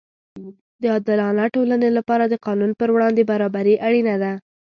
د عادلانه ټولنې لپاره د قانون پر وړاندې برابري اړینه ده.